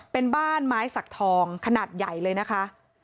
เป็นบ้านไม้สักทองขนาดใหญ่เลยนะคะ